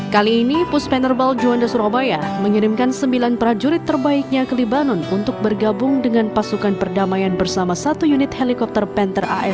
kali ini puspenerbal juanda surabaya mengirimkan sembilan prajurit terbaiknya ke lebanon untuk bergabung dengan pasukan perdamaian bersama satu unit helikopter panther as lima ratus enam puluh lima